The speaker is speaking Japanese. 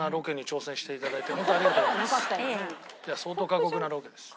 相当過酷なロケですよ。